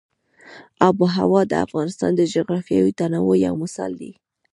آب وهوا د افغانستان د جغرافیوي تنوع یو مثال دی.